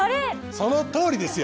そのとおりですよ。